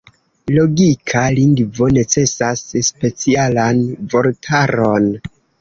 Logika lingvo necesas specialan vortaron.